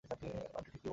Aunty ঠিকই বলেছে।